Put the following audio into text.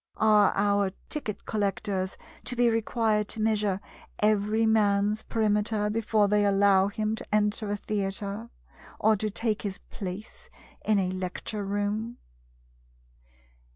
Are our ticket collectors to be required to measure every man's perimeter before they allow him to enter a theatre, or to take his place in a lecture room?